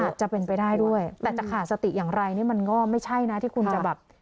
อาจจะเป็นไปได้ด้วยแต่จะขาดสติอย่างไรนี่มันก็ไม่ใช่นะที่คุณจะแบบ